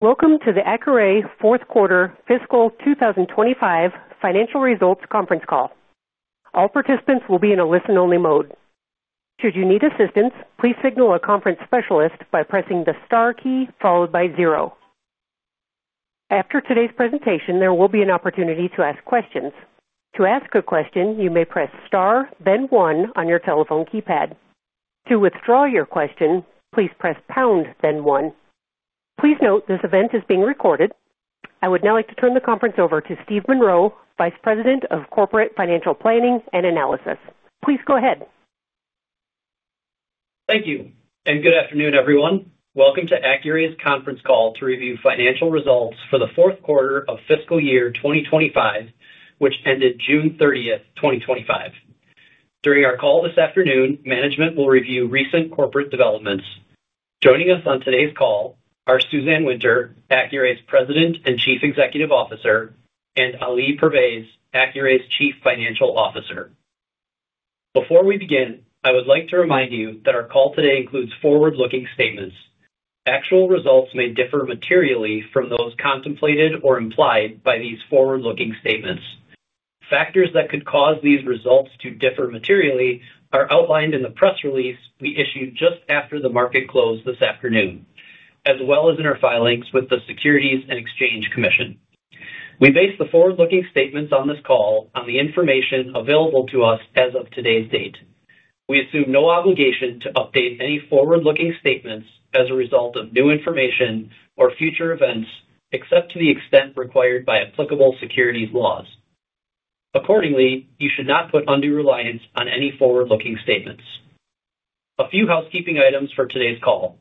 Welcome to the Accuray's Fourth Quarter Fiscal 2025 Financial Results Conference Call. All participants will be in a listen-only mode. Should you need assistance, please signal a conference specialist by pressing the star key followed by zero. After today's presentation, there will be an opportunity to ask questions. To ask a question, you may press star, then one on your telephone keypad. To withdraw your question, please press pound, then one. Please note this event is being recorded. I would now like to turn the conference over to Steve Monroe, Vice President of Corporate Financial Planning and Analysis. Please go ahead. Thank you, and good afternoon, everyone. Welcome to Accuray's conference call to review financial results for the fourth quarter of fiscal year 2025, which ended June 30, 2025. During our call this afternoon, management will review recent corporate developments. Joining us on today's call are Suzanne Winter, Accuray's President and Chief Executive Officer, and Ali Pervaiz, Accuray's Chief Financial Officer. Before we begin, I would like to remind you that our call today includes forward-looking statements. Actual results may differ materially from those contemplated or implied by these forward-looking statements. Factors that could cause these results to differ materially are outlined in the press release we issued just after the market closed this afternoon, as well as in our filings with the Securities and Exchange Commission. We base the forward-looking statements on this call on the information available to us as of today's date. We assume no obligation to update any forward-looking statements as a result of new information or future events, except to the extent required by applicable securities laws. Accordingly, you should not put undue reliance on any forward-looking statements. A few housekeeping items for today's call.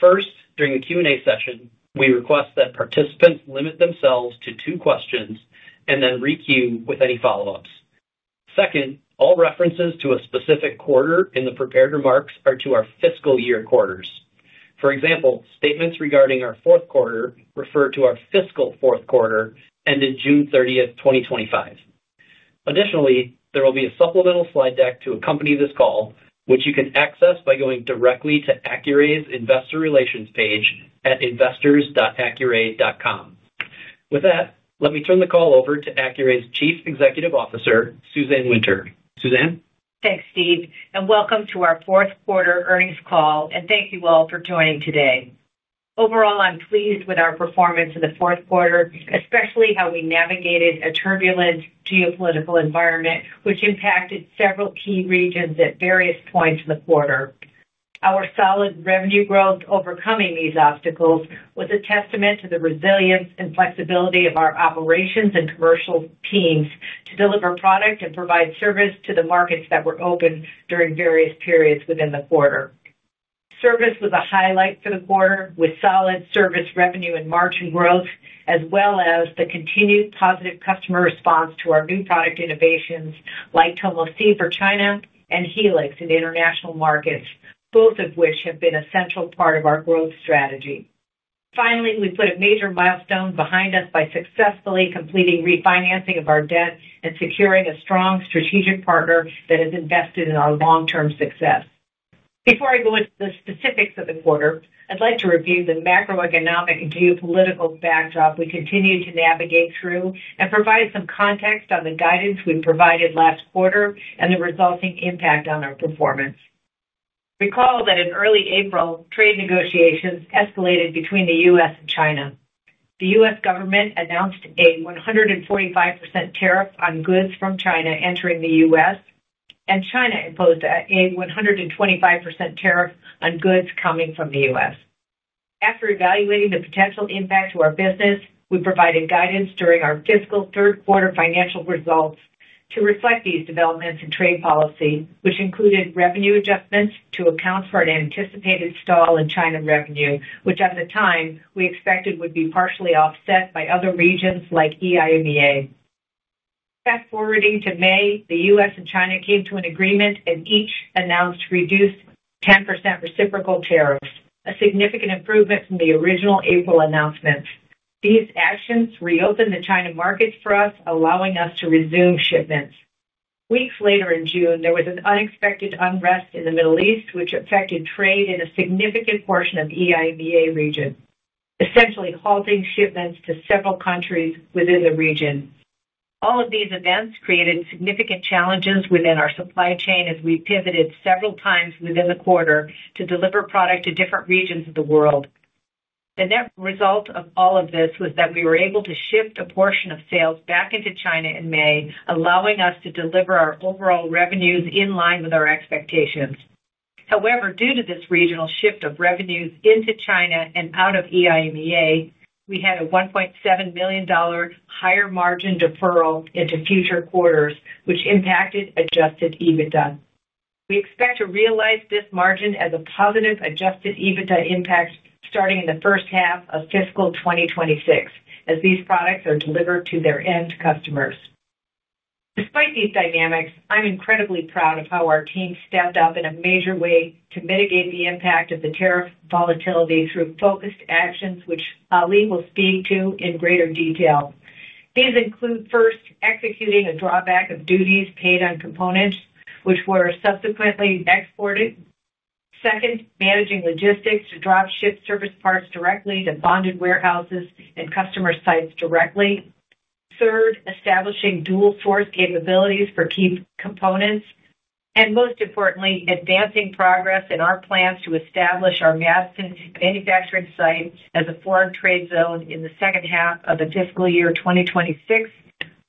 First, during the Q&A session, we request that participants limit themselves to two questions and then re-queue with any follow-ups. Second, all references to a specific quarter in the prepared remarks are to our fiscal year quarters. For example, statements regarding our fourth quarter refer to our fiscal fourth quarter ended June 30, 2025. Additionally, there will be a supplemental slide deck to accompany this call, which you can access by going directly to Accuray's Investor Relations page at investors.accuray.com. With that, let me turn the call over to Accuray's Chief Executive Officer, Suzanne Winter. Suzanne? Thanks, Steve, and welcome to our fourth quarter earnings call, and thank you all for joining today. Overall, I'm pleased with our performance in the fourth quarter, especially how we navigated a turbulent geopolitical environment, which impacted several key regions at various points in the quarter. Our solid revenue growth, overcoming these obstacles, was a testament to the resilience and flexibility of our operations and commercial teams to deliver product and provide service to the markets that were open during various periods within the quarter. Service was a highlight for the quarter, with solid service revenue and margin growth, as well as the continued positive customer response to our new product innovations, like Tomo C for China and Helix in international markets, both of which have been a central part of our growth strategy. Finally, we put a major milestone behind us by successfully completing refinancing of our debt and securing a strong strategic partner that has invested in our long-term success. Before I go into the specifics of the quarter, I'd like to review the macroeconomic and geopolitical backdrop we continue to navigate through and provide some context on the guidance we provided last quarter and the resulting impact on our performance. Recall that in early April, trade negotiations escalated between the U.S. and China. The U.S. government announced a 145% tariff on goods from China entering the U.S., and China imposed a 125% tariff on goods coming from the U.S. After evaluating the potential impact to our business, we provided guidance during our fiscal third quarter financial results to reflect these developments in trade policy, which included revenue adjustments to account for an anticipated stall in China revenue, which at the time we expected would be partially offset by other regions like EIMEA. Fast forwarding to May, the U.S. and China came to an agreement and each announced reduced 10% reciprocal tariffs, a significant improvement from the original April announcement. These actions reopened the China markets for us, allowing us to resume shipments. Weeks later in June, there was an unexpected unrest in the Middle East, which affected trade in a significant portion of the EIMEA region, essentially halting shipments to several countries within the region. All of these events created significant challenges within our supply chain as we pivoted several times within the quarter to deliver product to different regions of the world. The net result of all of this was that we were able to shift a portion of sales back into China in May, allowing us to deliver our overall revenues in line with our expectations. However, due to this regional shift of revenues into China and out of EIMEA, we had a $1.7 million higher margin deferral into future quarters, which impacted adjusted EBITDA. We expect to realize this margin as a positive adjusted EBITDA impact starting in the first half of fiscal 2026, as these products are delivered to their end customers. Despite these dynamics, I'm incredibly proud of how our team stepped up in a major way to mitigate the impact of the tariff volatility through focused actions, which Ali will speak to in greater detail. These include, first, executing a drawback of duties paid on components, which were subsequently exported. Second, managing logistics to drop ship service parts directly to bonded warehouses and customer sites directly. Third, establishing dual source capabilities for key components. Most importantly, advancing progress in our plans to establish our mass manufacturing site as a foreign trade zone in the second half of the fiscal year 2026,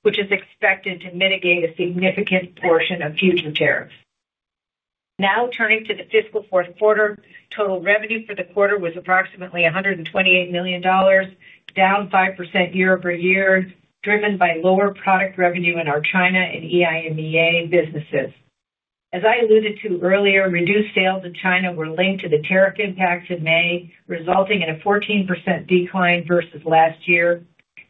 which is expected to mitigate a significant portion of fusion tariffs. Now turning to the fiscal fourth quarter, total revenue for the quarter was approximately $128 million, down 5% year-over-year, driven by lower product revenue in our China and EIMEA businesses. As I alluded to earlier, reduced sales in China were linked to the tariff impacts in May, resulting in a 14% decline versus last year.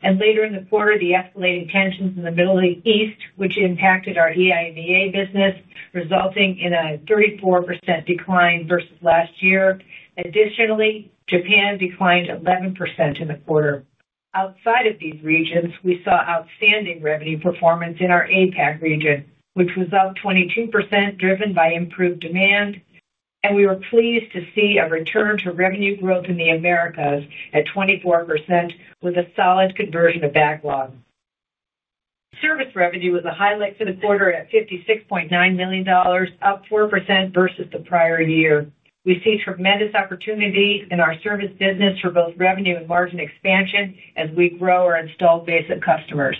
Later in the quarter, the escalating tensions in the Middle East impacted our EIMEA business, resulting in a 34% decline versus last year. Additionally, Japan declined 11% in the quarter. Outside of these regions, we saw outstanding revenue performance in our APAC region, which was up 22%, driven by improved demand. We were pleased to see a return to revenue growth in the Americas at 24%, with a solid conversion of backlog. Service revenue was a highlight for the quarter at $56.9 million, up 4% versus the prior year. We see tremendous opportunity in our service business for both revenue and margin expansion as we grow our installed base of customers.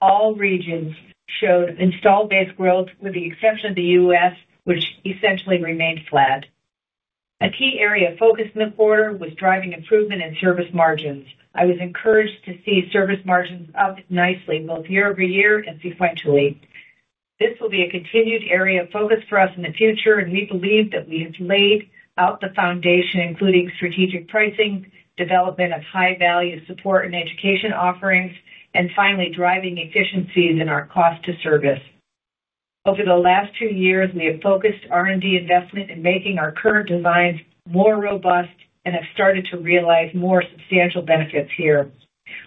All regions showed installed base growth, with the exception of the U.S., which essentially remained flat. A key area of focus in the quarter was driving improvement in service margins. I was encouraged to see service margins up nicely, both year over year and sequentially. This will be a continued area of focus for us in the future, and we believe that we have laid out the foundation, including strategic pricing, development of high-value support and education offerings, and finally driving efficiency in our cost to service. Over the last two years, we have focused R&D investment in making our current designs more robust and have started to realize more substantial benefits here.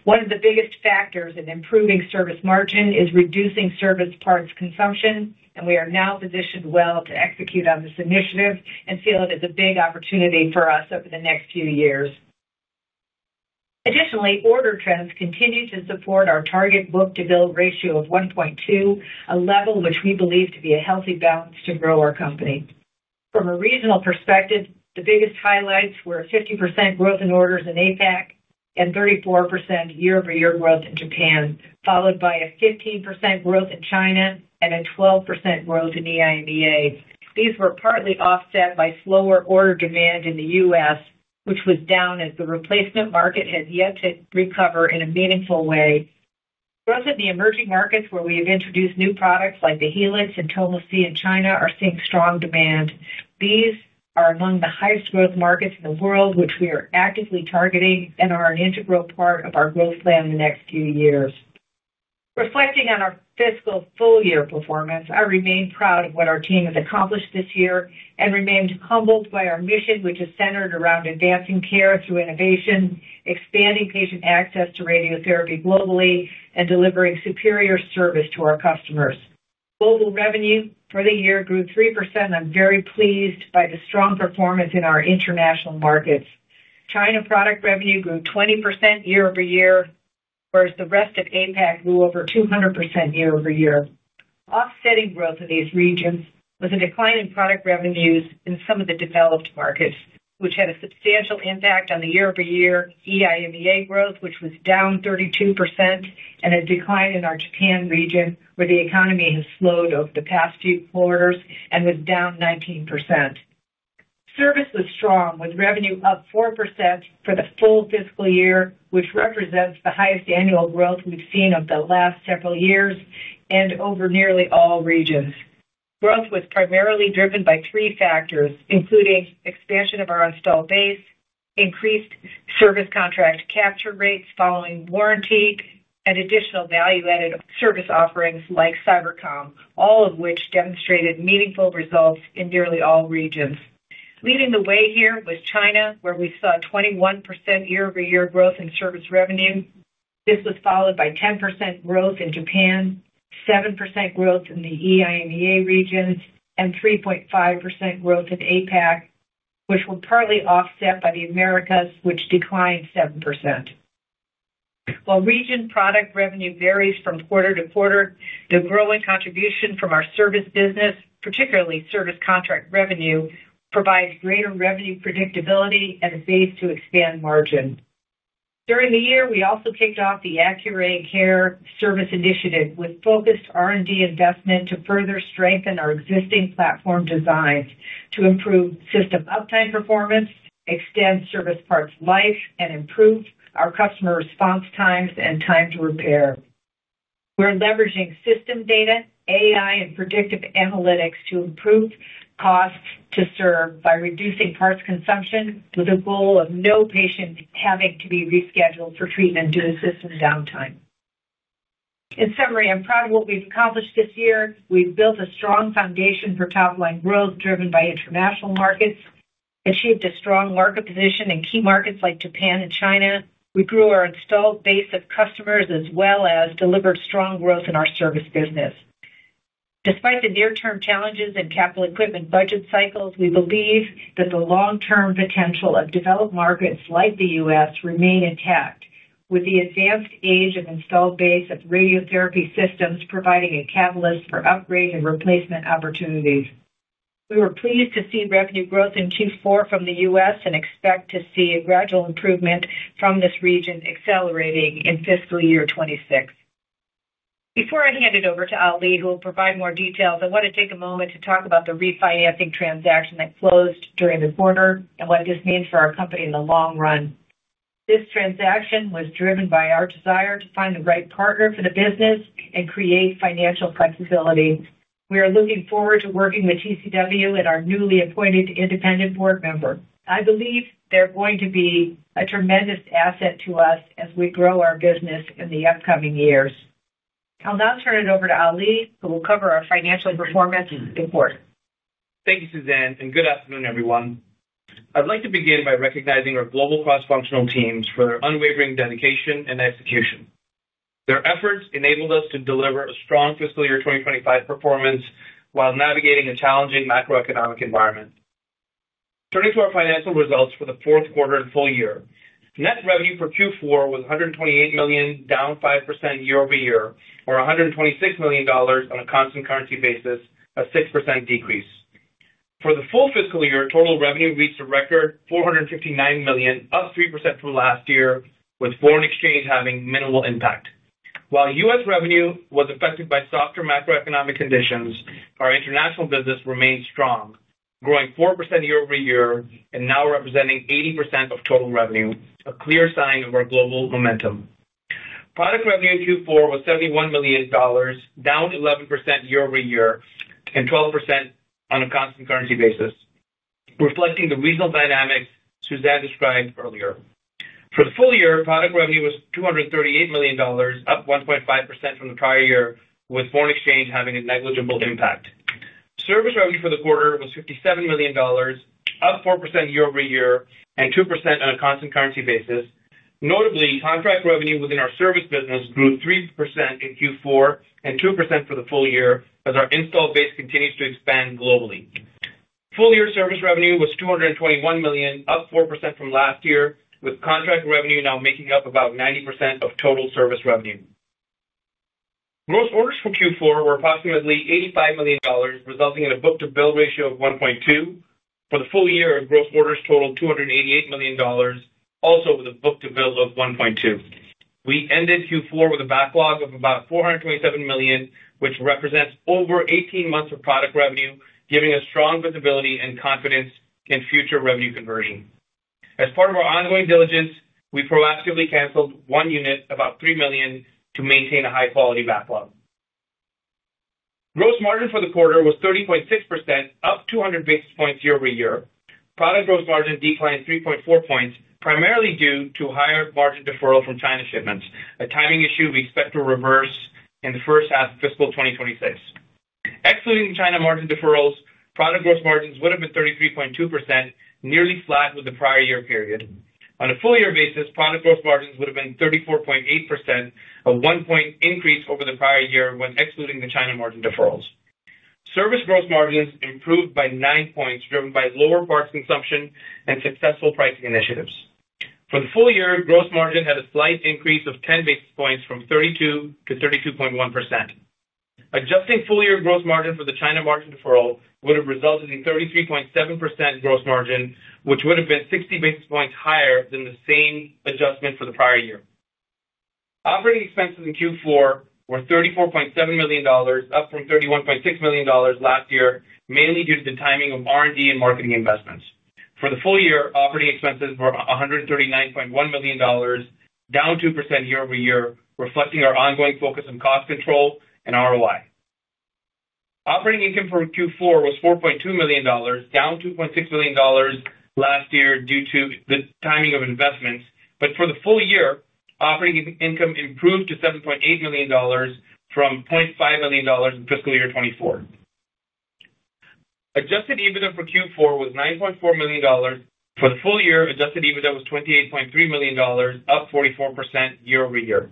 One of the biggest factors in improving service margin is reducing service parts consumption, and we are now positioned well to execute on this initiative and feel it is a big opportunity for us over the next few years. Additionally, order trends continue to support our target book-to-build ratio of 1.2, a level which we believe to be a healthy balance to grow our company. From a regional perspective, the biggest highlights were 50% growth in orders in APAC and 34% year-over-year growth in Japan, followed by a 15% growth in China and a 12% growth in EIMEA. These were partly offset by slower order demand in the U.S., which was down as the replacement market had yet to recover in a meaningful way. Growth in the emerging markets where we have introduced new products like the Helix and Tomo C in China are seeing strong demand. These are among the highest growth markets in the world, which we are actively targeting and are an integral part of our growth plan in the next few years. Reflecting on our fiscal full-year performance, I remain proud of what our team has accomplished this year and remain humbled by our mission, which is centered around advancing care through innovation, expanding patient access to radiotherapy globally, and delivering superior service to our customers. Global revenue for the year grew 3%, and I'm very pleased by the strong performance in our international markets. China product revenue grew 20% year-over-year, whereas the rest of APAC grew over 200% year-over-year. Offsetting growth in these regions was a decline in product revenues in some of the developed markets, which had a substantial impact on the year-over-year EIMEA growth, which was down 32%, and a decline in our Japan region, where the economy has slowed over the past few quarters and was down 19%. Service was strong, with revenue up 4% for the full fiscal year, which represents the highest annual growth we've seen over the last several years and over nearly all regions. Growth was primarily driven by three factors, including expansion of our installed base, increased service contract capture rates following warranty, and additional value-added service offerings like CyberComm, all of which demonstrated meaningful results in nearly all regions. Leading the way here was China, where we saw 21% year-over-year growth in service revenue. This was followed by 10% growth in Japan, 7% growth in the EIMEA regions, and 3.5% growth in APAC, which were partly offset by the Americas, which declined 7%. While region product revenue varies from quarter to quarter, the growing contribution from our service business, particularly service contract revenue, provides greater revenue predictability and a base to expand margin. During the year, we also kicked off the Accuray Care service initiative with focused R&D investment to further strengthen our existing platform designs to improve system uptime performance, extend service parts life, and improve our customer response times and time to repair. We're leveraging system data, AI, and predictive analytics to improve cost to serve by reducing parts consumption with a goal of no patient having to be rescheduled for treatment due to system downtime. In summary, I'm proud of what we've accomplished this year. We've built a strong foundation for top-line growth driven by international markets, achieved a strong market position in key markets like Japan and China. We grew our installed base of customers as well as delivered strong growth in our service business. Despite the near-term challenges and capital equipment budget cycles, we believe that the long-term potential of developed markets like the U.S. remains intact with the advanced age of installed base of radiotherapy systems providing a catalyst for upgrade and replacement opportunities. We were pleased to see revenue growth in Q4 from the U.S. and expect to see a gradual improvement from this region accelerating in fiscal year 2026. Before I hand it over to Ali, who will provide more details, I want to take a moment to talk about the refinancing transaction that closed during the quarter and what it has meant for our company in the long run. This transaction was driven by our desire to find the right partner for the business and create financial flexibility. We are looking forward to working with TCW and our newly appointed independent board member. I believe they're going to be a tremendous asset to us as we grow our business in the upcoming years. I'll now turn it over to Ali, who will cover our financial performance report. Thank you, Suzanne, and good afternoon, everyone. I'd like to begin by recognizing our global cross-functional teams for unwavering dedication and execution. Their efforts enabled us to deliver a strong fiscal year 2025 performance while navigating a challenging macroeconomic environment. Turning to our financial results for the fourth quarter and full year, net revenue for Q4 was $128 million, down 5% year over year, or $126 million on a constant currency basis, a 6% decrease. For the full fiscal year, total revenue reached a record $459 million, up 3% from last year, with foreign exchange having minimal impact. While U.S. revenue was affected by softer macroeconomic conditions, our international business remained strong, growing 4% year over year and now representing 80% of total revenue, a clear sign of our global momentum. Product revenue in Q4 was $71 million, down 11% year-over-year and 12% on a constant currency basis, reflecting the regional dynamics Suzanne described earlier. For the full year, product revenue was $238 million, up 1.5% from the prior year, with foreign exchange having a negligible impact. Service revenue for the quarter was $57 million, up 4% year-over-year and 2% on a constant currency basis. Notably, contract revenue within our service business grew 3% in Q4 and 2% for the full year as our installed base continues to expand globally. Full-year service revenue was $221 million, up 4% from last year, with contract revenue now making up about 90% of total service revenue. Gross orders for Q4 were approximately $85 million, resulting in a book-to-build ratio of 1.2. For the full year, gross orders totaled $288 million, also with a book-to-build of 1.2. We ended Q4 with a backlog of about $427 million, which represents over 18 months of product revenue, giving us strong visibility and confidence in future revenue conversion. As part of our ongoing diligence, we proactively canceled one unit, about $3 million, to maintain a high-quality backlog. Gross margin for the quarter was 30.6%, up 200 basis points year over year. Product gross margin declined 3.4 points, primarily due to higher margin deferrals from China shipments, a timing issue we expect to reverse in the first half of fiscal 2026. Excluding the China margin deferrals, product gross margins would have been 33.2%, nearly flat with the prior year period. On a full-year basis, product gross margins would have been 34.8%, a 1 point increase over the prior year when excluding the China margin deferrals. Service gross margins improved by 9 points, driven by lower parts consumption and successful pricing initiatives. For the full year, gross margin had a slight increase of 10 basis points from 32% to 32.1%. Adjusting full-year gross margin for the China margin deferral would have resulted in 33.7% gross margin, which would have been 60 basis points higher than the same adjustment for the prior year. Operating expenses in Q4 were $34.7 million, up from $31.6 million last year, mainly due to the timing of R&D and marketing investments. For the full year, operating expenses were $139.1 million, down 2% year over year, reflecting our ongoing focus on cost control and ROI. Operating income for Q4 was $4.2 million, down $2.6 million last year due to the timing of investments. For the full year, operating income improved to $7.8 million from $0.5 million in fiscal year 2024. Adjusted EBITDA for Q4 was $9.4 million. For the full year, adjusted EBITDA was $28.3 million, up 44% year-over-year.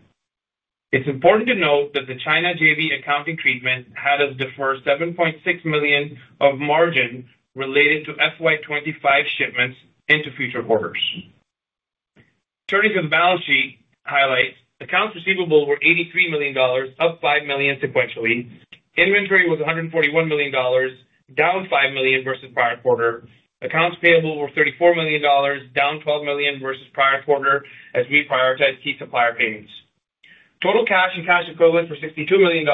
It's important to note that the China JV accounting treatment had us defer $7.6 million of margin related to FY 2025 shipments into future quarters. Turning to the balance sheet highlights, accounts receivable were $83 million, up $5 million sequentially. Inventory was $141 million, down $5 million versus prior quarter. Accounts payable were $34 million, down $12 million versus prior quarter as we prioritized key supplier payments. Total cash and cash equivalents were $62 million,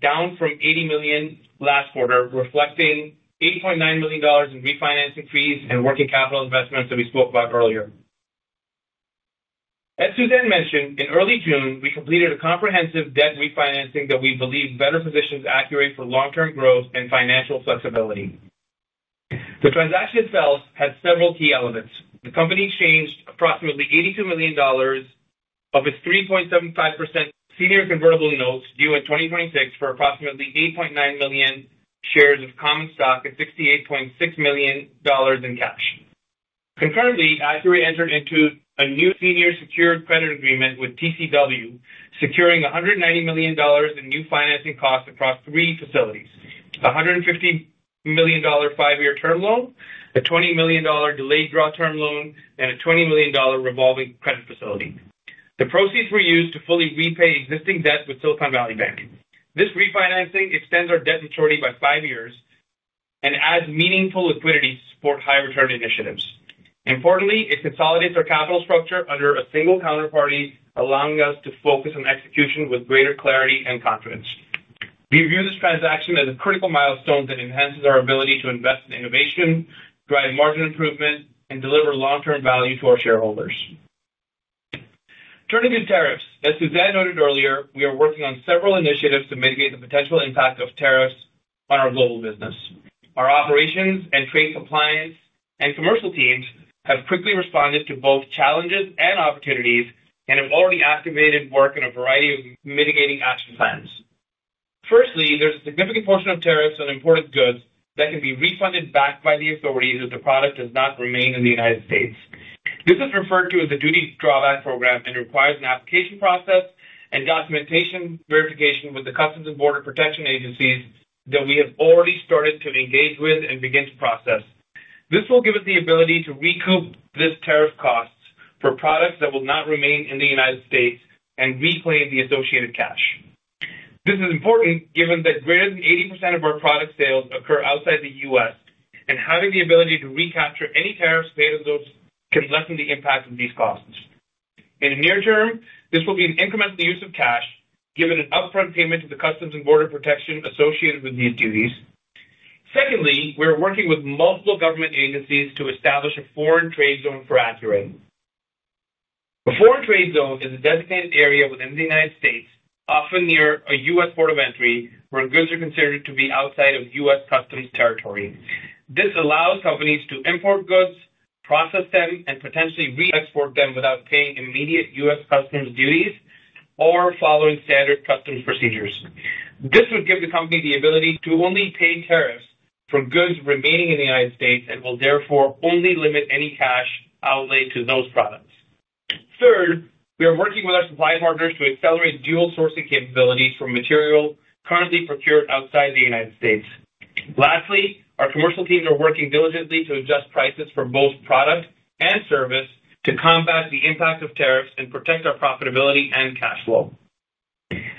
down from $80 million last quarter, reflecting $8.9 million in refinancing fees and working capital investments that we spoke about earlier. As Suzanne mentioned, in early June, we completed a comprehensive debt refinancing that we believe better positions Accuray for long-term growth and financial flexibility. The transaction itself had several key elements. The company exchanged approximately $82 million of its 3.75% senior convertible notes due in 2026 for approximately 8.9 million shares of common stock and $68.6 million in cash. Concurrently, Accuray entered into a new senior secured credit agreement with TCW, securing $190 million in new financing costs across three facilities: the $150 million five-year term loan, a $20 million delayed draw term loan, and a $20 million revolving credit facility. The proceeds were used to fully repay existing debt with Silicon Valley Bank. This refinancing extends our debt maturity by five years and adds meaningful liquidity to support high-return initiatives. Importantly, it consolidates our capital structure under a single counterparty, allowing us to focus on execution with greater clarity and confidence. We view this transaction as a critical milestone that enhances our ability to invest in innovation, drive margin improvement, and deliver long-term value to our shareholders. Turning to tariffs, as Suzanne noted earlier, we are working on several initiatives to mitigate the potential impact of tariffs on our global business. Our operations and trade compliance and commercial teams have quickly responded to both challenges and opportunities and have already activated work in a variety of mitigating action plans. Firstly, there's a significant portion of tariffs on imported goods that can be refunded back by the authorities if the product does not remain in the U.S. This is referred to as the duty drawback program and requires an application process and documentation verification with the Customs and Border Protection agencies that we have already started to engage with and begin to process. This will give us the ability to recoup this tariff cost for products that will not remain in the U.S. and reclaim the associated cash. This is important given that greater than 80% of our product sales occur outside the U.S., and having the ability to recapture any tariffs paid on those can lessen the impact of these costs. In the near term, this will be an incremental use of cash, given an upfront payment to the Customs and Border Protection associated with these duties. Secondly, we're working with multiple government agencies to establish a foreign trade zone for Accuray. A foreign trade zone is a designated area within the U.S., often near a U.S. port of entry where goods are considered to be outside of U.S. customs territory. This allows companies to import goods, process them, and potentially re-export them without paying immediate U.S. customs duties or following standard customs procedures. This would give the company the ability to only pay tariffs for goods remaining in the U.S. and will therefore only limit any cash outlaid to those products. Third, we are working with our supply partners to accelerate dual sourcing capabilities for materials currently procured outside the U.S. Lastly, our commercial teams are working diligently to adjust prices for both product and service to combat the impact of tariffs and protect our profitability and cash flow.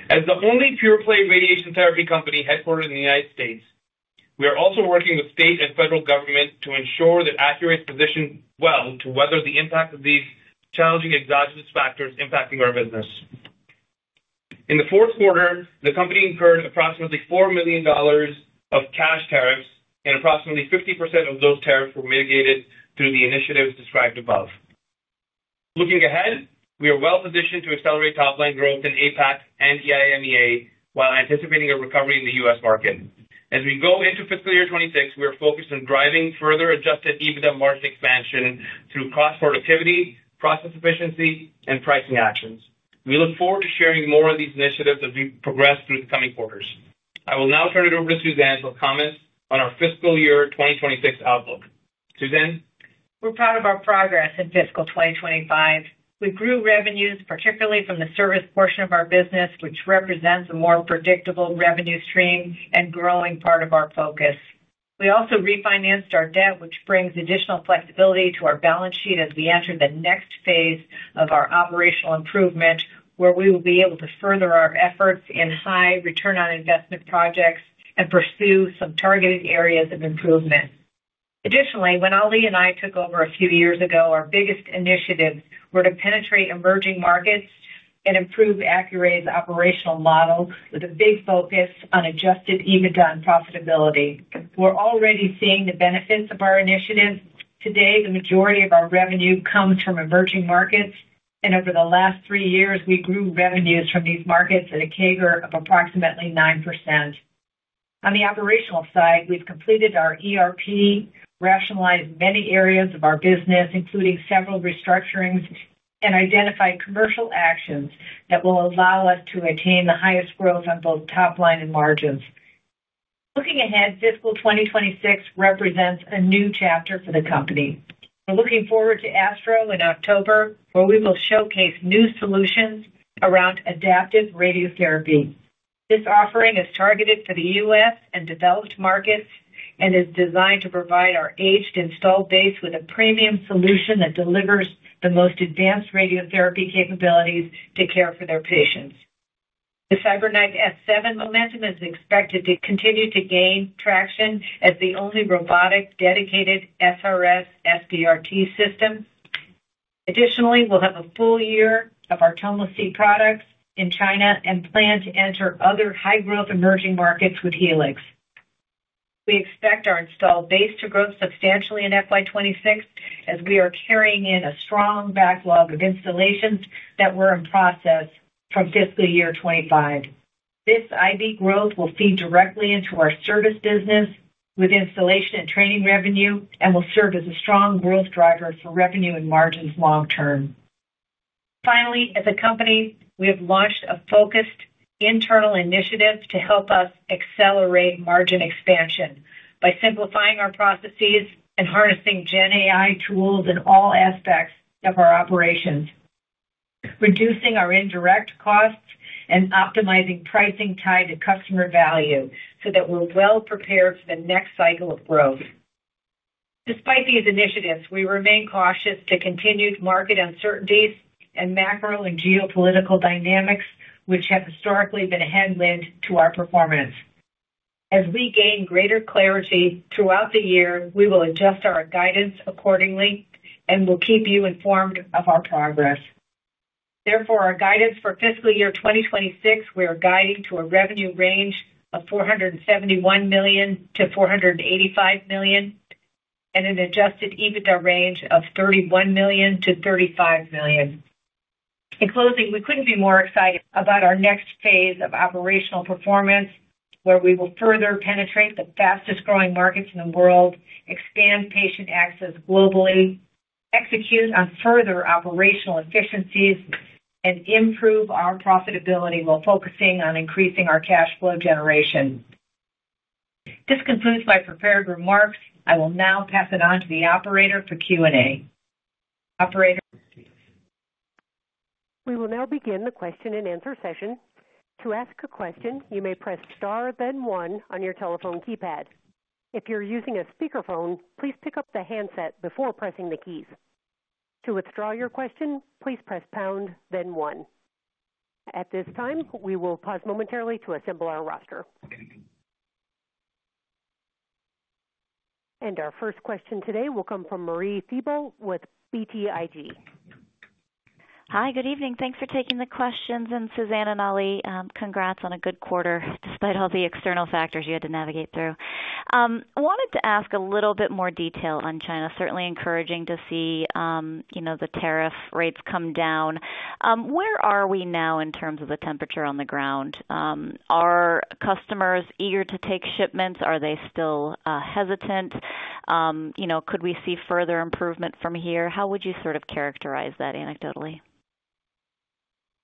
As the only pure-play radiation therapy company headquartered in the U.S., we are also working with state and federal government to ensure that Accuray is positioned well to weather the impact of these challenging exogenous factors impacting our business. In the fourth quarter, the company incurred approximately $4 million of cash tariffs, and approximately 50% of those tariffs were mitigated through the initiatives described above. Looking ahead, we are well positioned to accelerate top-line growth in APAC and EIMEA while anticipating a recovery in the U.S. market. As we go into fiscal year 2026, we are focused on driving further adjusted EBITDA margin expansion through cost productivity, process efficiency, and pricing actions. We look forward to sharing more on these initiatives as we progress through the coming quarters. I will now turn it over to Suzanne for comments on our fiscal year 2026 outlook. Suzanne? We're proud of our progress in fiscal 2025. We grew revenues, particularly from the service portion of our business, which represents a more predictable revenue stream and growing part of our focus. We also refinanced our debt, which brings additional flexibility to our balance sheet as we enter the next phase of our operational improvement, where we will be able to further our efforts in high return on investment projects and pursue some targeted areas of improvement. Additionally, when Ali and I took over a few years ago, our biggest initiatives were to penetrate emerging markets and improve Accuray's operational model with a big focus on adjusted EBITDA and profitability. We're already seeing the benefits of our initiatives. Today, the majority of our revenue comes from emerging markets, and over the last three years, we grew revenues from these markets at a CAGR of approximately 9%. On the operational side, we've completed our ERP, rationalized many areas of our business, including several restructurings, and identified commercial actions that will allow us to attain the highest growth on both top line and margins. Looking ahead, fiscal 2026 represents a new chapter for the company. We're looking forward to ASTRO in October, where we will showcase new solutions around adaptive radiotherapy. This offering is targeted for the U.S. and developed markets and is designed to provide our aged installed base with a premium solution that delivers the most advanced radiotherapy capabilities to care for their patients. The CyberKnife S7 momentum is expected to continue to gain traction as the only robotic dedicated SRS SDRT system. Additionally, we'll have a full year of our Tomo C products in China and plan to enter other high-growth emerging markets with Helix. We expect our installed base to grow substantially in fiscal year 2026 as we are carrying in a strong backlog of installations that were in process from fiscal year 2025. This installed base growth will feed directly into our service business with installation and training revenue and will serve as a strong growth driver for revenue and margins long term. Finally, as a company, we have launched a focused internal initiative to help us accelerate margin expansion by simplifying our processes and harnessing GenAI tools in all aspects of our operations, reducing our indirect costs, and optimizing pricing tied to customer value so that we're well prepared for the next cycle of growth. Despite these initiatives, we remain cautious to continued market uncertainties and macro and geopolitical dynamics, which have historically been a headwind to our performance. As we gain greater clarity throughout the year, we will adjust our guidance accordingly and will keep you informed of our progress. Therefore, our guidance for fiscal year 2026, we are guiding to a revenue range of $471 million-$485 million and an adjusted EBITDA range of $31 million-$35 million. In closing, we couldn't be more excited about our next phase of operational performance, where we will further penetrate the fastest growing markets in the world, expand patient access globally, execute on further operational efficiencies, and improve our profitability while focusing on increasing our cash flow generation. This concludes my prepared remarks. I will now pass it on to the operator for Q&A. Operator, please proceed. We will now begin the question and answer session. To ask a question, you may press star, then one on your telephone keypad. If you're using a speakerphone, please pick up the handset before pressing the keys. To withdraw your question, please press pound, then one. At this time, we will pause momentarily to assemble our roster. Our first question today will come from Marie Thibault with BTIG. Hi, good evening. Thanks for taking the questions. Suzanne and Ali, congrats on a good quarter despite all the external factors you had to navigate through. I wanted to ask a little bit more detail on China. Certainly encouraging to see the tariff rates come down. Where are we now in terms of the temperature on the ground? Are customers eager to take shipments? Are they still hesitant? Could we see further improvement from here? How would you sort of characterize that anecdotally?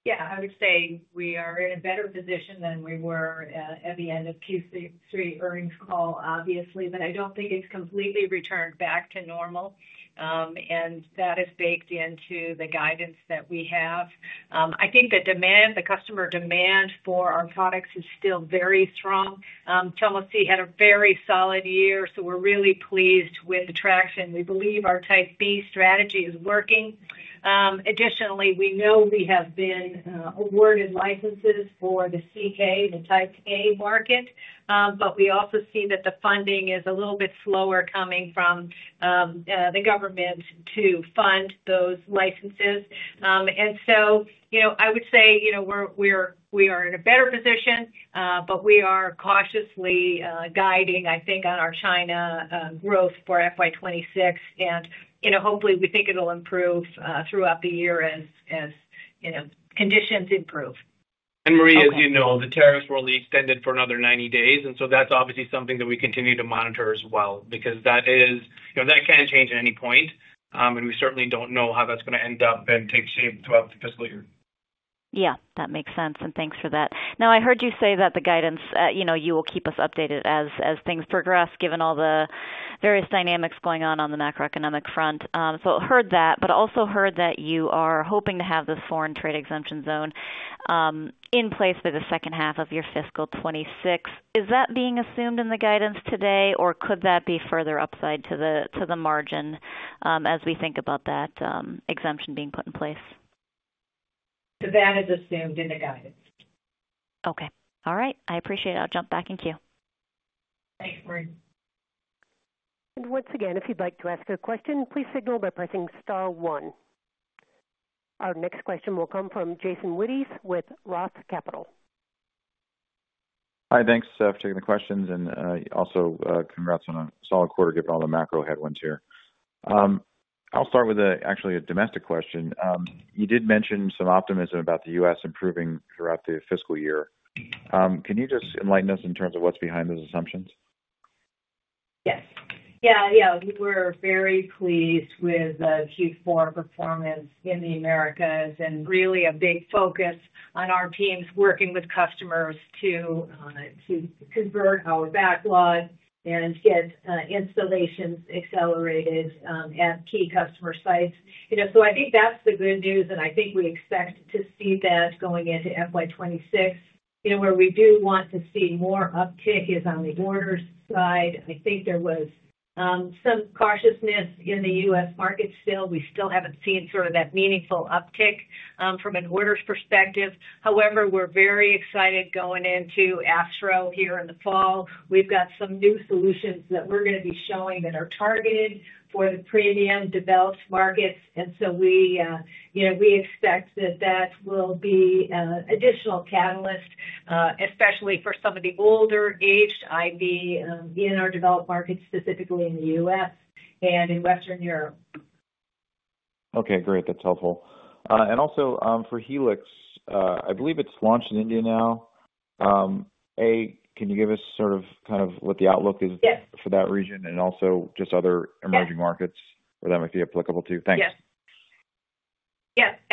Yeah, I would say we are in a better position than we were at the end of Q3 earnings call, obviously, but I don't think it's completely returned back to normal. That is baked into the guidance that we have. I think the demand, the customer demand for our products is still very strong. Tomos had a very solid year, so we're really pleased with the traction. We believe our Type B strategy is working. Additionally, we know we have been awarded licenses for the CK and the Type A market, but we also see that the funding is a little bit slower coming from the government to fund those licenses. I would say we are in a better position, but we are cautiously guiding, I think, on our China growth for FY2026, and hopefully we think it'll improve throughout the year as conditions improve. Marie, as you know, the tariffs were only extended for another 90 days, and that's obviously something that we continue to monitor as well because that is, you know, that can change at any point, and we certainly don't know how that's going to end up and take shape throughout the fiscal year. Yeah, that makes sense, and thanks for that. I heard you say that the guidance, you know, you will keep us updated as things progress, given all the various dynamics going on on the macroeconomic front. I heard that, but I also heard that you are hoping to have this foreign trade exemption zone in place for the second half of your fiscal 2026. Is that being assumed in the guidance today, or could that be further upside to the margin as we think about that exemption being put in place? That is assumed in the guidance. Okay. All right. I appreciate it. I'll jump back in queue. Thanks, Marie. Once again, if you'd like to ask a question, please signal by pressing star one. Our next question will come from Jason Wittes with ROTH Capital. Hi, thanks for taking the questions, and also congrats on a solid quarter given all the macro headwinds here. I'll start with actually a domestic question. You did mention some optimism about the U.S. improving throughout the fiscal year. Can you just enlighten us in terms of what's behind those assumptions? Yes, we're very pleased with Q4 performance in the Americas and really a big focus on our teams working with customers to convert our backlog and get installations accelerated at key customer sites. I think that's the good news, and I think we expect to see that going into FY2026. Where we do want to see more uptick is on the orders side. I think there was some cautiousness in the U.S. market still. We still haven't seen that meaningful uptick from an orders perspective. However, we're very excited going into ASTRO here in the fall. We've got some new solutions that we're going to be showing that are targeted for the premium developed markets. We expect that will be an additional catalyst, especially for some of the older aged IV in our developed markets, specifically in the U.S. and in Western Europe. Okay, great. That's helpful. For Helix, I believe it's launched in India now. Can you give us sort of kind of what the outlook is for that region and also just other emerging markets where that might be applicable too? Thanks.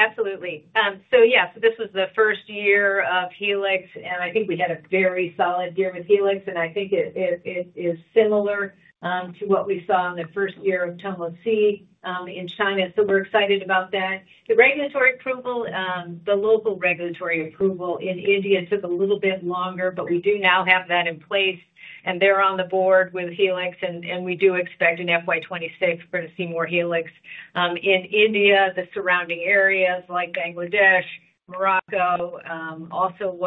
Absolutely. This was the first year of Helix, and I think we had a very solid year with Helix, and I think it is similar to what we saw in the first year of Tomos in China. We're excited about that. The regulatory approval, the local regulatory approval in India took a little bit longer, but we do now have that in place, and they're on the board with Helix, and we do expect in FY2026 we're going to see more Helix. In India, the surrounding areas like Bangladesh, Morocco also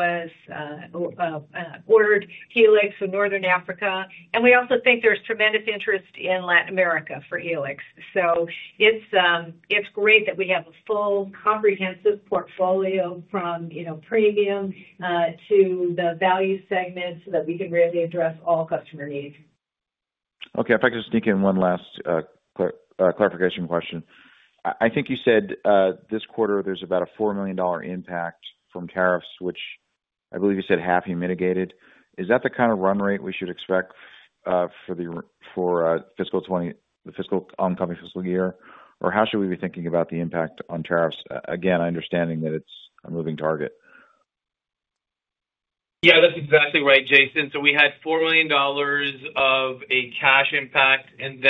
has ordered Helix for Northern Africa, and we also think there's tremendous interest in Latin America for Helix. It's great that we have a full comprehensive portfolio from premium to the value segments so that we can really address all customer needs. Okay, I'd like to sneak in one last clarification question. I think you said this quarter there's about a $4 million impact from tariffs, which I believe you said half you mitigated. Is that the kind of run rate we should expect for the oncoming fiscal year, or how should we be thinking about the impact on tariffs? Again, understanding that it's a moving target. Yeah, that's exactly right, Jason. We had $4 million of a cash impact, and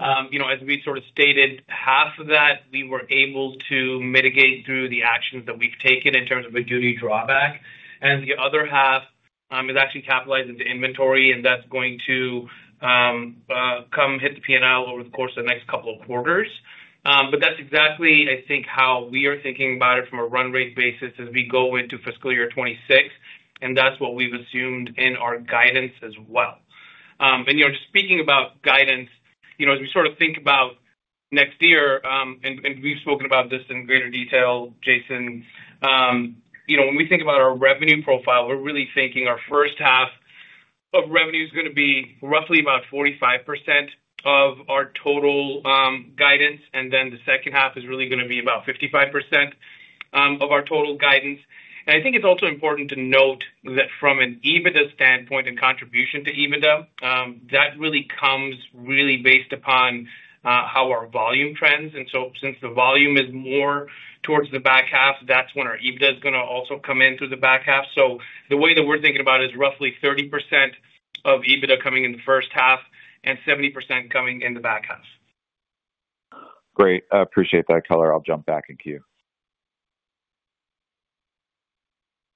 as we stated, half of that we were able to mitigate through the actions that we've taken in terms of a duty drawback. The other half is actually capitalized into inventory, and that's going to come hit the P&L over the course of the next couple of quarters. That's exactly, I think, how we are thinking about it from a run rate basis as we go into fiscal year 2026, and that's what we've assumed in our guidance as well. Speaking about guidance, as we think about next year, and we've spoken about this in greater detail, Jason, when we think about our revenue profile, we're really thinking our first half of revenue is going to be roughly about 45% of our total guidance, and the second half is really going to be about 55% of our total guidance. I think it's also important to note that from an EBITDA standpoint and contribution to EBITDA, that really comes based upon how our volume trends. Since the volume is more towards the back half, that's when our EBITDA is going to also come in through the back half. The way that we're thinking about it is roughly 30% of EBITDA coming in the first half and 70% coming in the back half. Great. I appreciate that, Keller. I'll jump back in queue.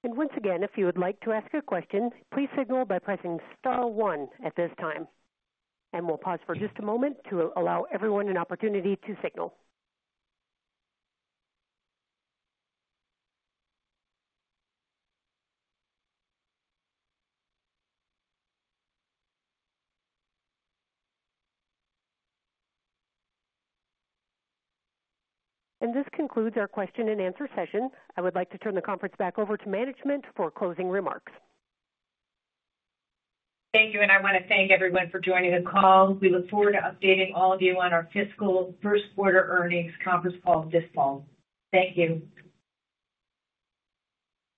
If you would like to ask a question, please signal by pressing star one at this time. We'll pause for just a moment to allow everyone an opportunity to signal. This concludes our question and answer session. I would like to turn the conference back over to management for closing remarks. Thank you, and I want to thank everyone for joining this call. We look forward to updating all of you on our fiscal first quarter earnings conference call this fall. Thank you.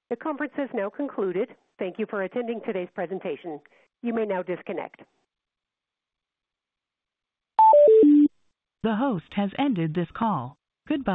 The conference is now concluded. Thank you for attending today's presentation. You may now disconnect. The host has ended this call. Goodbye.